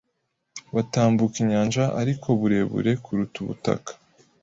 butambuka inyanja ariko burebure kuruta ubutaka